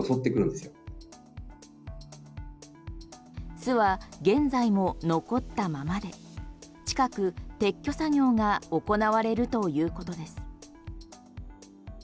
巣は現在も残ったままで近く、撤去作業が行われるということです。